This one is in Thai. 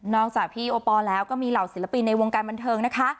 จากพี่โอปอลแล้วก็มีเหล่าศิลปินในวงการบันเทิงนะคะ